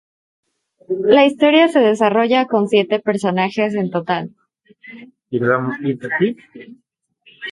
La historia se desarrolla con siete personajes en total.